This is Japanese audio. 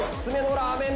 ラーメン